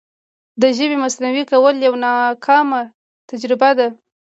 د ژبې مصنوعي کول یوه ناکامه تجربه ده.